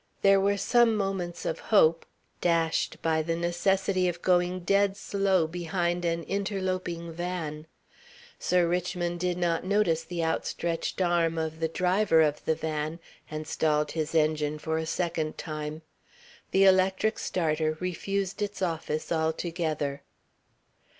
There were some moments of hope, dashed by the necessity of going dead slow behind an interloping van. Sir Richmond did not notice the outstretched arm of the driver of the van, and stalled his engine for a second time. The electric starter refused its office altogether.